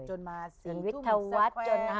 จนวิทยาวัตร